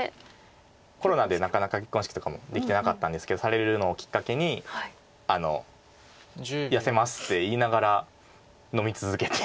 コロナでなかなか結婚式とかもできてなかったんですけどされるのをきっかけに「痩せます」って言いながら飲み続けて。